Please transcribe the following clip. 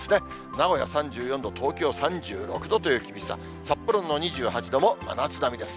名古屋３４度、東京３６度という厳しさ、札幌の２８度も真夏並みです。